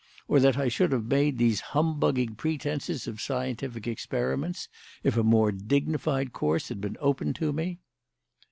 Or that I should have made these humbugging pretences of scientific experiments if a more dignified course had been open to me?"